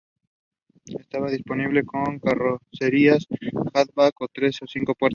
Estaba disponible con carrocerías hatchback de tres o cinco puertas.